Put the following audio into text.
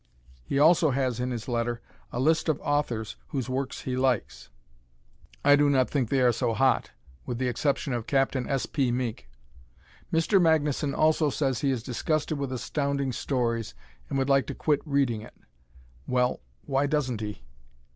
He also has in his letter a list of authors whose works he likes. I do not think they are so hot, with the exception of Capt. S. P. Meek. Mr. Magnuson also says he is disgusted with Astounding Stories and would like to quit reading it. Well, why doesn't he?